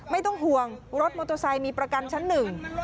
ไม่ต้องห่วงรถมอเตอร์ไซค์มีประกันชั้นหนึ่ง